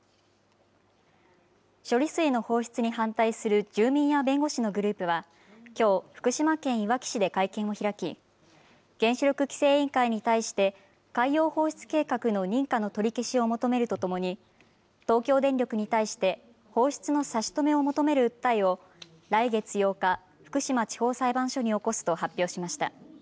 処理水の放出に反対する住民や弁護士のグループは、きょう、福島県いわき市で会見を開き、原子力規制委員会に対して、海洋放出計画の認可の取り消しを求めるとともに、東京電力に対して、放出の差し止めを求める訴えを、来月８日、福島地方裁判所に起こすと発表しました。